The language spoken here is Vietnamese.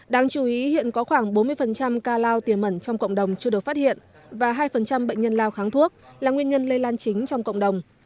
đáng chú ý hiện có khoảng bốn mươi ca lao tiềm mẩn trong cộng đồng chưa được phát hiện và hai bệnh nhân lao kháng thuốc là nguyên nhân lây lan chính trong cộng đồng